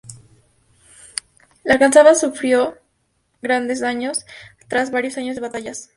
La alcazaba sufrió grandes daños tras varios años de batallas.